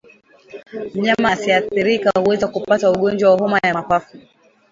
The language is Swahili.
Mnyama asiyeathirika huweza kupata ugonjwa wa homa ya mapafu